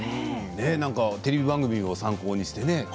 何かテレビ番組を参考にしてね